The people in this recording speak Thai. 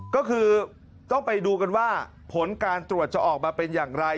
ก็คือต้องไปดูกันว่าผลการตรวจจะออกมาเป็นอย่างไร